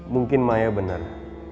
mungkin maya benar